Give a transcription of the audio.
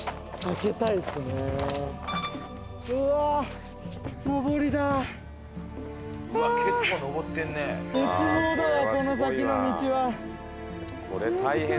絶望だわこの先の道は。